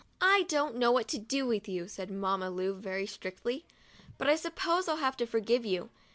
" I don't know what to do with you," said Mamma Lu, very strictly; "but I suppose I'll have to forgive you.